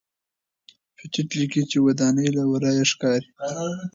پېټټ لیکلي چې ودانۍ له ورایه ښکاري.